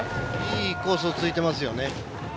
いいコースをついてますよね。